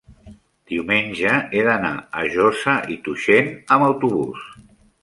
diumenge he d'anar a Josa i Tuixén amb autobús.